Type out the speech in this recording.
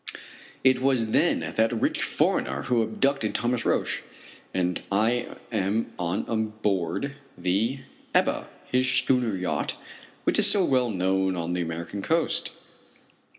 It was, then, that rich foreigner who abducted Thomas Roch, and I am on board the Ebba his schooner yacht which is so well known on the American coast!